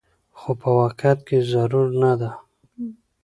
خو په واقعيت کې ضرور نه ده